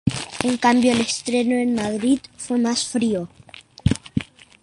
En cambio, el estreno en Madrid fue más frío.